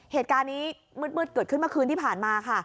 เหตุการณ์นี้มืดเกิดขึ้นเมื่อคืนที่ผ่านมาค่ะ